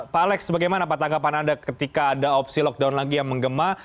pak alex bagaimana pak tanggapan anda ketika ada opsi lockdown lagi yang menggema